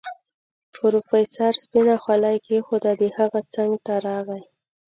پروفيسر سپينه خولۍ کېښوده د هغه څنګ ته راغی.